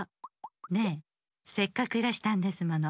ねえせっかくゆっくりいらしたんですもの。